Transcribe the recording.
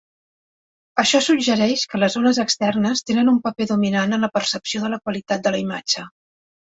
Això suggereix que les zones externes tenen un paper dominant en la percepció de la qualitat de la imatge.